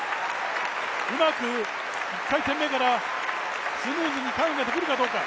うまく１回転目からスムーズにターンができるかどうか。